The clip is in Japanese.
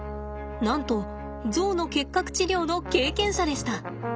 なんとゾウの結核治療の経験者でした。